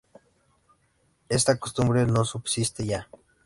Esta costumbre no subsiste ya.